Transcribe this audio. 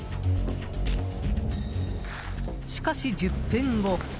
しかし、１０分後。